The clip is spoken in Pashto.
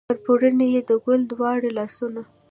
پر پوړني یې د ګل دواړه لاسونه